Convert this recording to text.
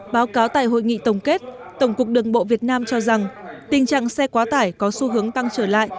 báo cáo tại hội nghị tổng kết tổng cục đường bộ việt nam cho rằng tình trạng xe quá tải có xu hướng tăng trở lại